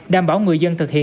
đảm bảo người dân thực hiện